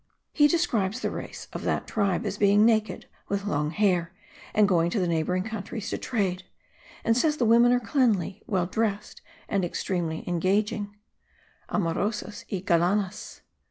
He describes the race of that tribe as being naked with long hair, and going to the neighbouring countries to trade; and says the women are cleanly, well dressed and extremely engaging (amorosas y galanas).